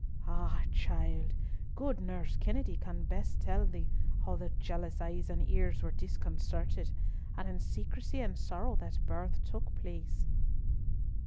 Ah! child; good Nurse Kennedy can best tell thee how the jealous eyes and ears were disconcerted, and in secrecy and sorrow that birth took place."